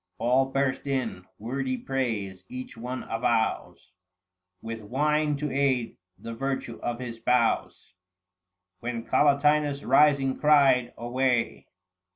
" All burst in wordy praise ; each one avows, 785 With wine to aid, the virtue of his spouse. When Collatinus rising cried, " Away